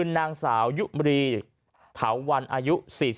นางสาวยุมรีเถาวันอายุ๔๒